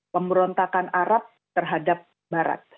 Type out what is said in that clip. pemerontakan arab terhadap barat